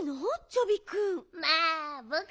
チョビくん。